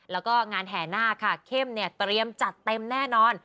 แล้วก็งานแห่นาคค่ะเข้มเนี่ยเตรียมจัดเต็มแน่นอน